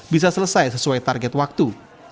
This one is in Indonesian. bisa selesai sesuai target waktu